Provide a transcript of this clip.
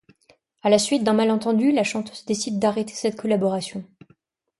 À la suite d’un malentendu, la chanteuse décide d’arrêter cette collaboration.